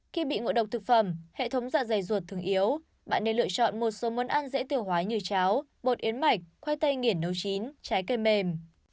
khi bị ngộ độc thực phẩm hệ thống dạ dày ruột thường yếu bạn nên lựa chọn một số món ăn dễ tiểu hóa như cháo bột yến mạch khoai tây nghiền nấu chín trái cây mềm